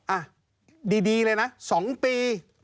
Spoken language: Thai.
อ่ะดีเลยนะ๒ปี